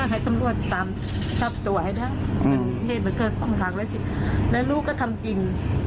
ให้ทำรวจรับตัวให้ได้เหตุเกิด๒ครั้งแล้วลูกก็ทำกิน